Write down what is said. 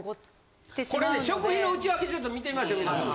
これね食費の内訳ちょっと見てみましょう皆さん。